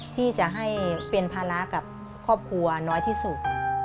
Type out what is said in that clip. ที่จะให้เป็นภาระกับครอบครัวน้อยที่สุด